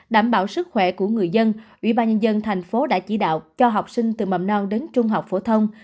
đảm bảo sức khỏe của người dân ủy ban nhân dân thành phố đã chỉ đạo cho học sinh từ mầm non đến trung học phổ thông